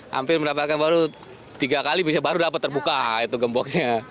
hampir mendapatkan baru tiga kali bisa baru dapat terbuka itu gemboknya